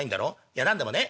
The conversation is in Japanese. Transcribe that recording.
「いや何でもね